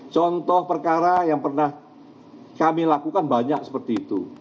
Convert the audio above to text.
contoh perkara yang pernah kami lakukan banyak seperti itu